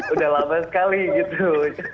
udah lama sekali gitu